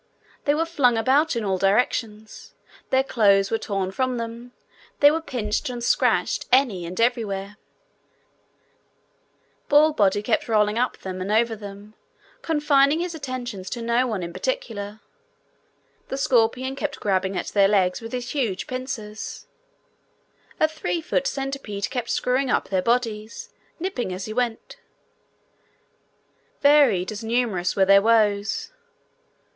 They were flung about in all directions; their clothes were torn from them; they were pinched and scratched any and everywhere; Ballbody kept rolling up them and over them, confining his attentions to no one in particular; the scorpion kept grabbing at their legs with his huge pincers; a three foot centipede kept screwing up their bodies, nipping as he went; varied as numerous were their woes.